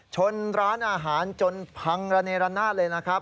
ชนร้านอาหารจนพังระเนรนาศเลยนะครับ